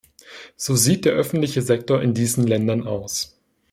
So sieht der öffentliche Sektor in diesen Ländern aus.